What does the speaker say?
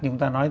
chúng ta nói